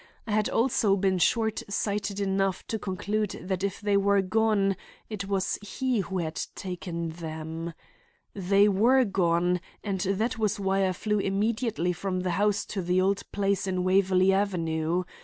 I had also been short sighted enough to conclude that if they were gone it was he who had taken them. They were gone, and that was why I flew immediately from the house to the old place in Waverley Avenue.